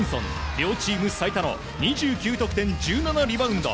両チーム最多の２９得点１７リバウンド。